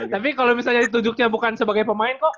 tapi kalau misalnya ditunjuknya bukan sebagai pemain kok